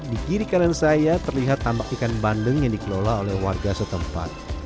di kiri kanan saya terlihat tambak ikan bandeng yang dikelola oleh warga setempat